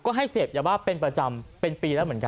ก็ให้เสพยาบ้าเป็นประจำเป็นปีแล้วเหมือนกัน